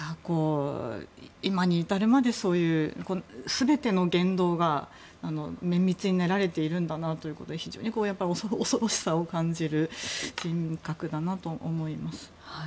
今に至るまでそういう全ての言動が綿密に練られているんだなという非常に恐ろしさを感じる人格だなと思います。